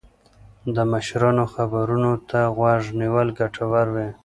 د مشرانو خبرو ته غوږ نیول ګټور وي.